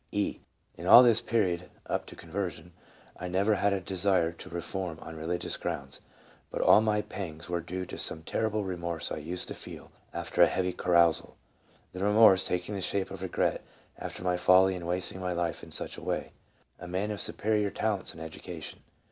E. : "In all this period [up to conversion] , I never had a desire to reform on religious grounds, but all my pangs were due to some terri ble remorse I used to feel after a heavy carousal ; the re morse taking the shape of regret after my folly in wasting my life in such a way — a man of superior talents and educa tion."